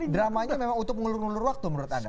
dramanya memang untuk ngelulur waktu menurut anda